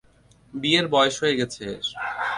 বিয়ের বয়স হয়ে গেছে এর।